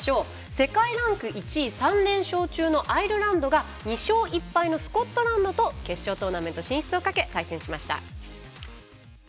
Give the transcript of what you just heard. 世界ランク１位、３連勝中のアイルランドが２勝１敗のスコットランドと決勝トーナメント進出をかけ対戦しました。